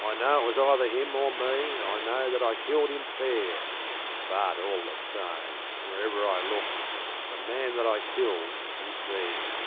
I know it was either him or me, I know that I killed him fair, But, all the same, wherever I look, The man that I killed is there.